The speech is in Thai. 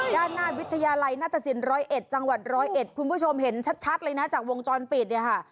ด้านหน้าวิทยาลัยนาฏศิลป์๑๐๑จังหวัด๑๐๑คุณผู้ชมเห็นชัดเลยนะจากวงจรปิดเนี่ยค่ะ